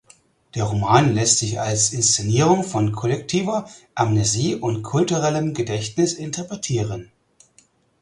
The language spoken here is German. Der Roman lässt sich als Inszenierung von kollektiver Amnesie und kulturellem Gedächtnis interpretieren.